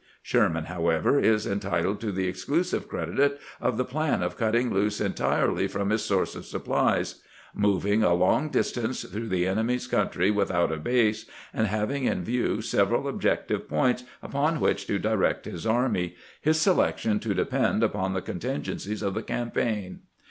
Sherman, however, is en titled to the exclusive credit of the plan of cutting loose entirely from his source of supplies, moving a long dis tance through the enemy's country without a base, and having in view several objective points upon which to direct his army, his selection to depend upon the con tingencies of the campaign.